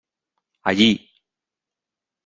Allí!